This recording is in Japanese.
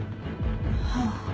はあ。